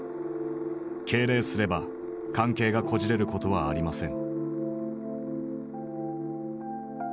敬礼すれば関係がこじれることはありません」。